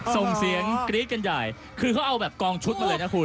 ส่งเสียงกรี๊ดกันใหญ่คือเขาเอาแบบกองชุดมาเลยนะคุณ